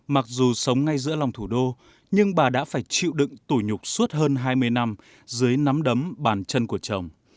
mặc dù sống ngay giữa lòng thủ đô nhưng bà đã phải chịu đựng tủi nhục suốt hơn hai mươi năm dưới nắm đấm bàn chân của chồng